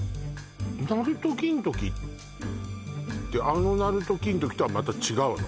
なると金時ってあのなると金時とはまた違うの？